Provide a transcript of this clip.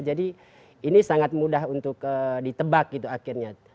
jadi ini sangat mudah untuk ditebak gitu akhirnya